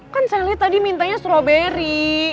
kan sally tadi mintanya strawberry